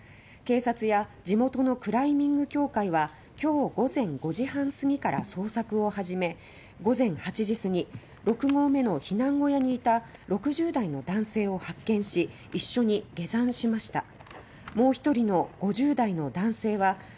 警察や地元のクライミング協会はきょう午前５時半過ぎから捜索を始め午前８時過ぎ６合目の避難小屋にいた６０代の男性を発見し一緒に下山しました。